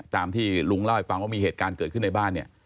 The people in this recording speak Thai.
ตามที่ลุงเล่าให้ฟังว่ามีเหตุการณ์เกิดขึ้นในบ้านเนี่ย